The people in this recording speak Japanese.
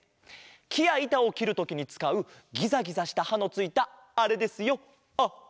きやいたをきるときにつかうギザギザしたはのついたあれですよあれ！